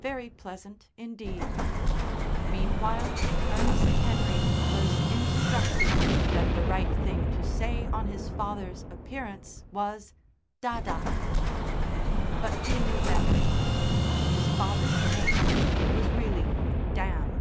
Very pleasant, indeed. Meanwhile Ernest Henry was instructed that the right thing to say on his father's appearance was "Dada." But he knew better. His father's name was really "Damn."